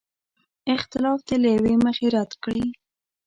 اختلاف دې له یوې مخې رد کړي.